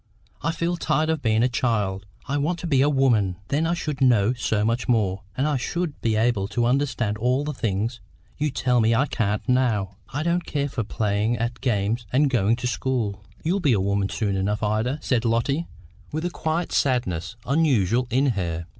I feel tired of being a child; I want to be a woman. Then I should know so much more, and I should be able to understand all the things you tell me I can't now. I don't care for playing at games and going to school." "You'll be a woman soon enough, Ida," said Lotty, with a quiet sadness unusual in her.